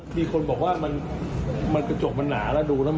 มีคนบอกว่ามันกระจกมันหนาแล้วดูแล้ว